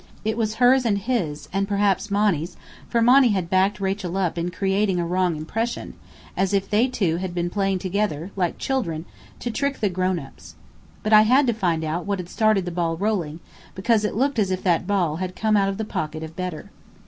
It was hers and his, and perhaps Monny's, for Monny had backed Rachel up in creating a wrong impression, as if they two had been playing together, like children, to trick the grown ups. But I had to find out what had started the ball rolling, because it looked as if that ball had come out of the pocket of Bedr.